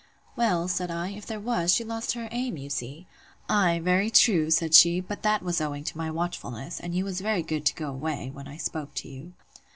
Well, said I, if there was, she lost her aim, you see! Ay, very true, said she; but that was owing to my watchfulness; and you was very good to go away, when I spoke to you.